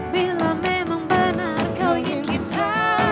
bila memang benar kau ingin kita